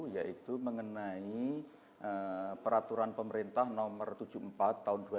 jadi bukanlah sekarang sekolah ganda ganda lanjutnya